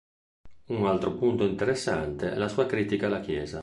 Un altro punto interessante è la sua critica alla Chiesa.